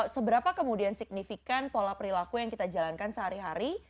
seberapa kemudian signifikan pola perilaku yang kita jalankan sehari hari